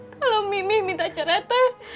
kalo mimi minta cerai teh